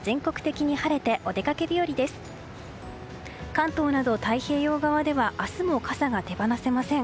関東など太平洋側では明日も傘が手放せません。